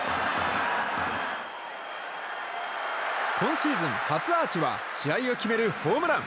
今シーズン初アーチは試合を決めるホームラン。